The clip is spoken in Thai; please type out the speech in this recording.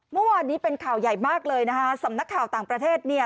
เมื่อวานนี้เป็นข่าวใหญ่มากเลยนะคะสำนักข่าวต่างประเทศเนี่ย